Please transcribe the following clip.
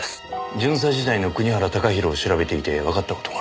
巡査時代の国原貴弘を調べていてわかった事が。